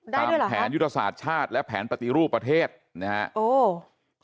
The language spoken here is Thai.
ตามแผนยุทธศาสตร์ชาติและแผนปฏิรูปประเทศนะครับ